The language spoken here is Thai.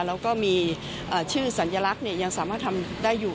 แล้วก็มีชื่อสัญลักษณ์ยังสามารถทำได้อยู่